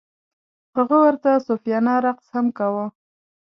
هغه ورته صوفیانه رقص هم کاوه.